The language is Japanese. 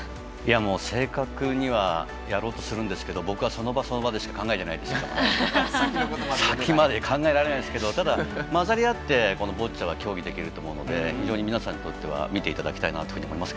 正確にはやろうとしていますが僕はその場、その場でしか考えていませんから先まで考えられないですけどただ、混ざり合ってボッチャは、競技できるので非常に皆さんにとっては見ていただきたいと思います。